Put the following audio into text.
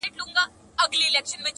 د روغن یوه ښیښه یې کړله ماته-